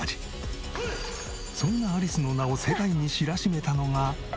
そんなアリスの名を世界に知らしめたのが。